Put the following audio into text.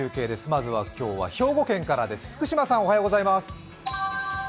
まずは今日は兵庫県からです。